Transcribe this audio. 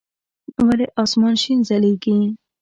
ولي اسمان شين ځليږي؟